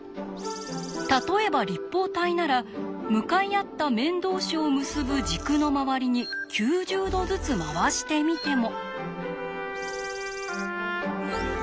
例えば立方体なら向かい合った面同士を結ぶ軸の周りに９０度ずつ回してみても。